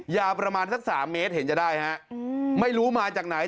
ยาวประมาณสัก๓เมตรเห็นจะได้ฮะไม่รู้มาจากไหน